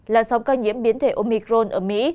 làn sóng ca nhiễm biến thể omicron ở mỹ